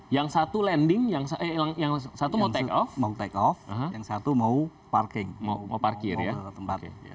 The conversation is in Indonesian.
yang satu landing yang satu mau take off yang satu mau parking